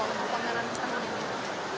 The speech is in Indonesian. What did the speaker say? lagi tadi sih